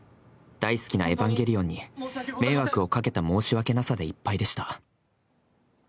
大好きな「エヴァンゲリオン」に迷惑をかけた申し訳なさでいっぱいでした。